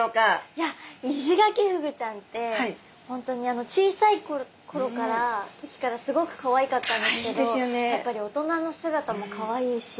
いやイシガキフグちゃんって本当に小さいころからすごくかわいかったんですけどやっぱり大人の姿もかわいいし。